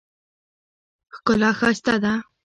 ښکلا ښایسته ده.